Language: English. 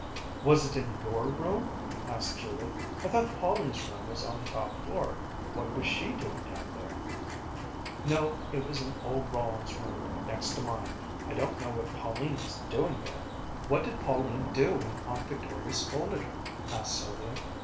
"Was it in your room?" asked Judith. "I thought Pauline's room was on the top floor. What was she doing down there?" "No, it was in old Rollins' room next to mine. I don't know what Pauline was doing there." "What did Pauline do when Aunt Victoria scolded her?" asked Sylvia.